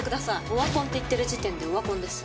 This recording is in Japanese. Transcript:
「オワコン」って言ってる時点でオワコンです。